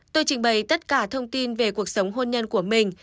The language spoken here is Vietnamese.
tôi trình bày tất cả thông tin về cuộc sống hôn nhân của mình